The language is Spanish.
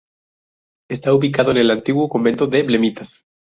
Está ubicado en el Antiguo Convento de Betlemitas.